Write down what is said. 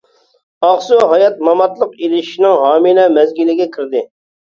ئاقسۇ ھايات ماماتلىق ئېلىشىشنىڭ ھامىلە مەزگىلىگە كىردى.